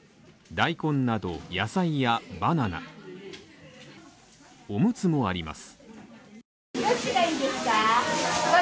大根など、野菜やバナナオムツもあります。